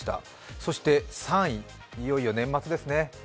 そして３位、いよいよ年末ですね。